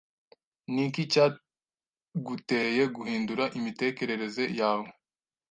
Niki cyaguteye guhindura imitekerereze yawe?